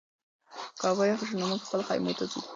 که هوا یخه شي نو موږ خپلو خیمو ته ځو.